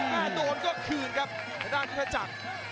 ถ้าโดนก็คืนครับในด้านนี้ถ้าจักร